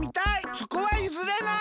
そこはゆずれない！